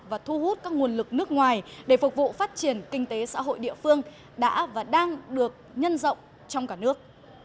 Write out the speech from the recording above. và thu hút các nguồn lực nước ngoài để phục vụ phát triển kinh tế xã hội địa phương đã và đang được nhân rộng trong cả nước